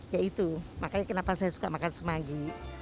ya itu makanya kenapa saya suka makan semanggi